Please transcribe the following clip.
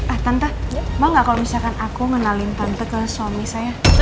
ah tante mau gak kalau misalkan aku ngenalin tante ke suami saya